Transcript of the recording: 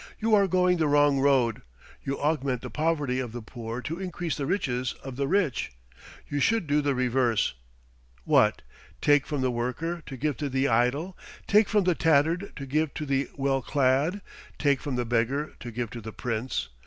You are going the wrong road. You augment the poverty of the poor to increase the riches of the rich. You should do the reverse. What! take from the worker to give to the idle, take from the tattered to give to the well clad; take from the beggar to give to the prince!